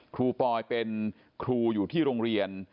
ครูปอยเป็นครูอยู่ที่โรงเรียน